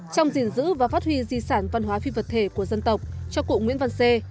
trong gìn giữ và phát huy di sản văn hóa phi vật thể của dân tộc cho cụ nguyễn văn xê